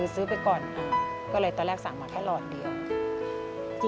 ซื้อไปก่อนก็เลยตอนแรกสั่งมาแค่หล่อนเดียว